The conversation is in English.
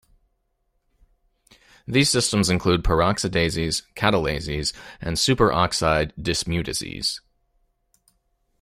These systems include peroxidases, catalases, and superoxide dismutases.